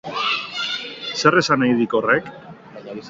Zer esan nahi dik horrek?